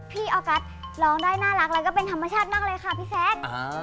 ออกัสร้องได้น่ารักแล้วก็เป็นธรรมชาติมากเลยค่ะพี่แซค